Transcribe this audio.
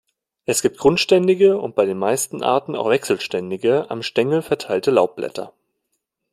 Es gibt grundständige und bei den meisten Arten auch wechselständige am Stängel verteilte Laubblätter.